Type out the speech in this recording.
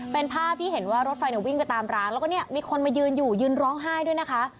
เป็นภาพที่เห็นว่ารถไฟเนี่ยวิ่งไปตามร้านแล้วก็เนี่ยมีคนมายืนอยู่ยืนร้องไห้ด้วยนะคะ